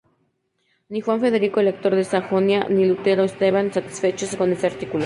Ni Juan Federico, Elector de Sajonia, ni Lutero estaban satisfechos con este artículo.